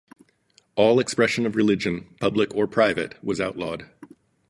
All expression of religion, public or private, was outlawed.